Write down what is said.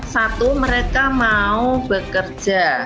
satu mereka mau bekerja